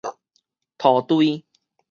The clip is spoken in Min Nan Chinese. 塗堆